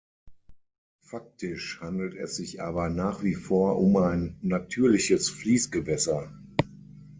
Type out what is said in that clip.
Faktisch handelt es sich aber nach wie vor um ein natürliches Fließgewässer.